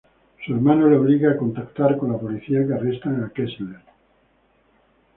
Su hermano le obliga a contactar con la policía, que arrestan a Kessler.